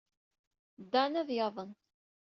Dan ad yaḍen.